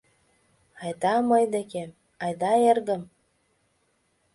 Айда мый декем... айда, эргым...»